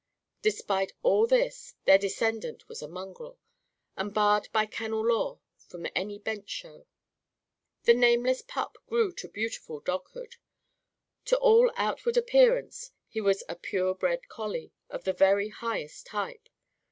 Despite all this, their descendant was a mongrel, and barred by kennel law from any bench show. The nameless pup grew to beautiful doghood. To all outward appearance, he was a pure bred collie of the very highest type.